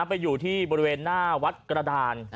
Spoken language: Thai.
ไปอยู่ที่บริเวณหน้าวัดกระดาน